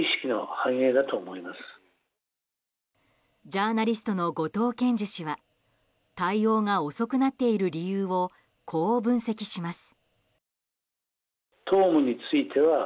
ジャーナリストの後藤謙次氏は対応が遅くなっている理由をこう分析します。